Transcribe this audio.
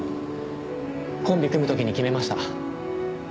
コンビ組む時に決めました。